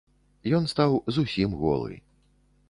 Ён стаў зусім голы.